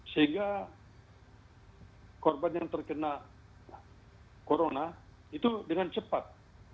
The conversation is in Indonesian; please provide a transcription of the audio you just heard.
sehingga korban yang terkena corona itu dengan cepat